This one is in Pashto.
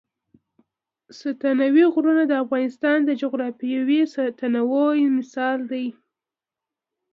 ستوني غرونه د افغانستان د جغرافیوي تنوع مثال دی.